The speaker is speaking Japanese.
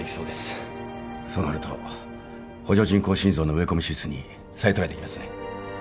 そうなると補助人工心臓の植え込み手術に再トライできますね。